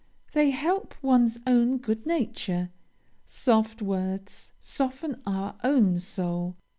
They help one's own good nature. Soft words soften our own soul.